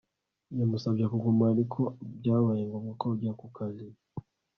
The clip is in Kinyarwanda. Yamusabye kuguma ariko byabaye ngombwa ko ajya ku kazi